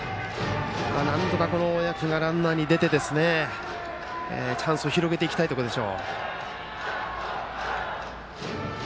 なんとか大矢君がランナーに出てチャンスを広げたいところです。